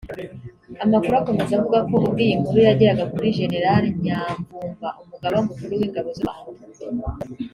Amakuru akomeza avuga ko ubwo iyi nkuru yageraga kuri General Nyamvumba umugaba mukuru w’ingabo z’u Rwanda